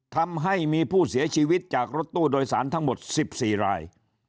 ทำให้มีผู้เสียชีวิตจากรถตู้โดยสารทั้งหมด๑๔ราย